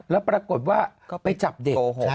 แล้วปรากฏว่าไปจับเด็ก